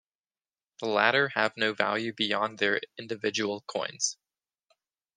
The latter have no value beyond their individual coins.